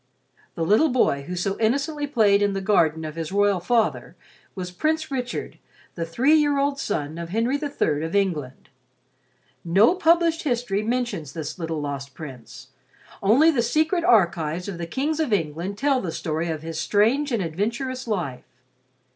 The little boy who so innocently played in the garden of his royal father was Prince Richard, the three year old son of Henry III of England. No published history mentions this little lost prince; only the secret archives of the kings of England tell the story of his strange and adventurous life.